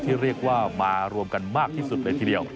ที่เรียกว่ามารวมกันมากที่สุดเลยทีเดียว